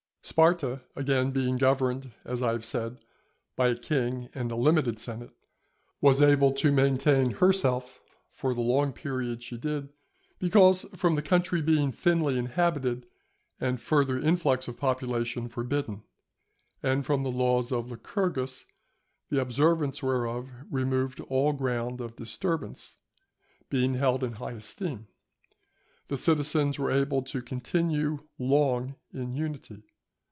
Sparta, again, being governed, as I have said, by a king and a limited senate, was able to maintain herself for the long period she did, because, from the country being thinly inhabited and further influx of population forbidden, and from the laws of Lycurgus (the observance whereof removed all ground of disturbance) being held in high esteem, the citizens were able to continue long in unity.